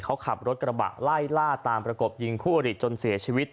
เขาขับรถกระบะไล่ล่าตามประกบยิงคู่อริจนเสียชีวิต